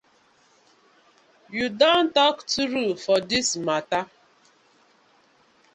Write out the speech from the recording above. Yu don tok true for dis matter.